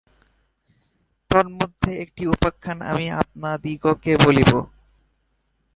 তন্মধ্যে একটি উপাখ্যান আমি আপনাদিগকে বলিব।